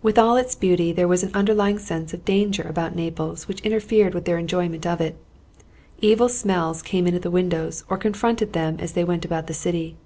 With all its beauty there was an underlying sense of danger about Naples, which interfered with their enjoyment of it. Evil smells came in at the windows, or confronted them as they went about the city.